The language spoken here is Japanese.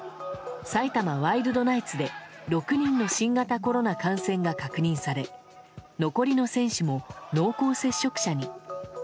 埼玉ワイルドナイツで６人の新型コロナ感染が確認され残りの選手も濃厚接触者に。